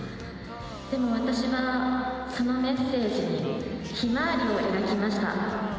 でも私は、そのメッセージにひまわりを描きました。